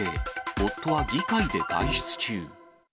夫は議会で外出中。